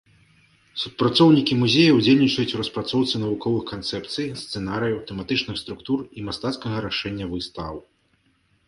Супрацоўнікі музея ўдзельнічаюць у распрацоўцы навуковых канцэпцый, сцэнарыяў, тэматычных структур і мастацкага рашэння выстаў.